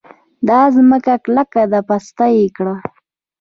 دا ځمکه کلکه ده؛ پسته يې کړه.